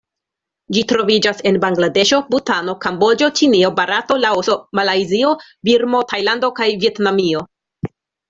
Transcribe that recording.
Ĝi troviĝas en Bangladeŝo, Butano, Kamboĝo, Ĉinio, Barato, Laoso, Malajzio, Birmo, Tajlando kaj Vjetnamio.